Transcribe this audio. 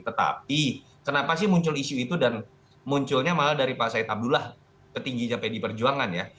tetapi kenapa sih muncul isu itu dan munculnya malah dari pak said abdullah petingginya pd perjuangan ya